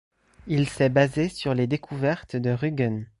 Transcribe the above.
Il s'est basé sur les découvertes de Rügen.